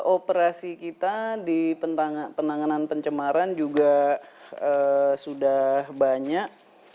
operasi kita di penanganan pencemaran juga sudah banyak